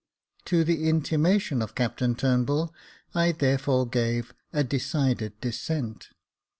To the intimation of Captain Turnbull I, therefore, gave a decided dissent.